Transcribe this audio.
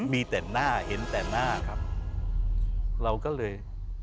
มีแต่หน้าเห็นแต่หน้าครับเราก็เลย